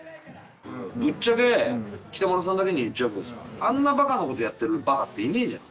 ぶっちゃけ北村さんだけに言っちゃうけどさあんなバカなことやってるバカっていねえじゃん。